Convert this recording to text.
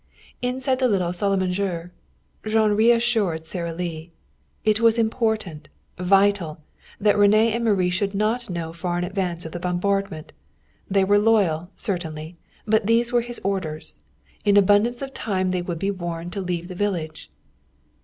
Inside the little salle à manger Jean reassured Sara Lee. It was important vital that René and Marie should not know far in advance of the bombardment. They were loyal, certainly, but these were his orders. In abundance of time they would be warned to leave the village.